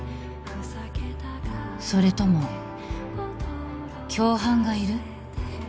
それとも共犯がいる？